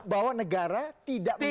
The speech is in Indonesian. bahwa negara tidak mengintervensi